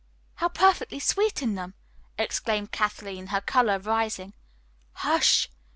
"How perfectly sweet in them!" exclaimed Kathleen, her color rising. "Hush!"